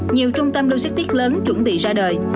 nhiều trung tâm logistics lớn chuẩn bị ra đời